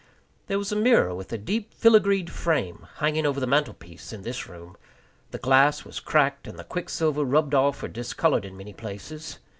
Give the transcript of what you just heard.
There was a mirror with a deep filigreed frame hanging over the mantel piece in this room. The glass was cracked and the quicksilver rubbed off or discolored in many places.